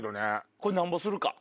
これなんぼするか。